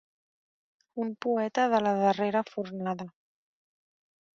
Un poeta de la darrera fornada.